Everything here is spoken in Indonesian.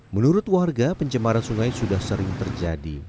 menurut warga pencemaran sungai sudah sering terjadi